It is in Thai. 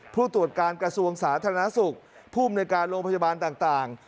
ผู้ตรวจการกระทรวงสาธารณสุขภูมิในการโรงพยาบาลต่าง